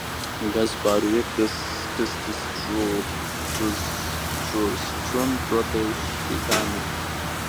ګس فارویک د ټسټورسټون پرته یو شیطان دی